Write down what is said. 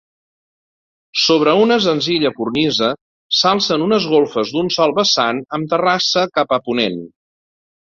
Sobre una senzilla cornisa, s'alcen unes golfes d'un sol vessant amb terrassa cap a ponent.